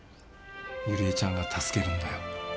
ゆりえちゃんが助けるんだよ。